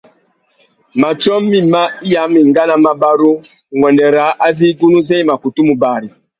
Matiō mïma iya a mà enga nà mabarú nguêndê râā azê igunú zê i mà kutu mù bari.